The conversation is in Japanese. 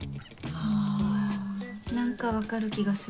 うん何か分かる気がする。